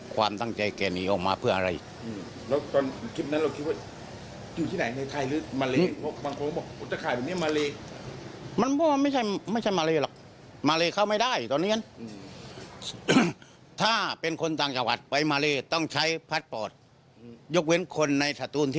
ความตั้งใจแกหนีออกมาเพื่ออะไร